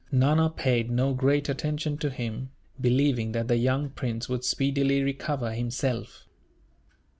Nana paid no great attention to him, believing that the young prince would speedily recover himself.